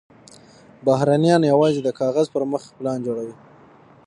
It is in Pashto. بهرنیان یوازې د کاغذ پر مخ پلان جوړوي.